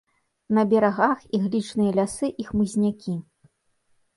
На берагах іглічныя лясы і хмызнякі.